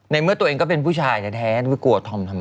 เมื่อตัวเองก็เป็นผู้ชายแท้ไม่กลัวธอมทำไม